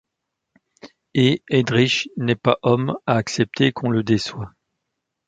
Et Heydrich n'est pas homme à accepter qu'on le déçoive.